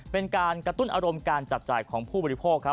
เป็นการกระตุ้นอารมณ์การจับจ่ายของผู้บริโภคครับ